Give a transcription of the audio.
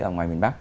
ở ngoài miền bắc